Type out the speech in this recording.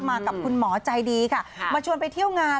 มากับคุณหมอใจดีค่ะมาชวนไปเที่ยวงาน